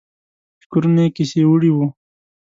فکرونه یې کیسې وړي وو.